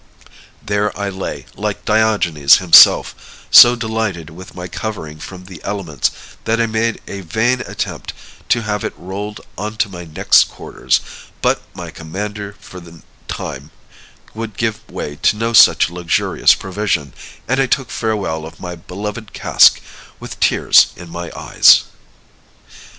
There I lay, like Diogenes himself, so delighted with my covering from the elements that I made a vain attempt to have it rolled on to my next quarters; but my commander for the time would give way to no such luxurious provision, and I took farewell of my beloved cask with tears in my eyes."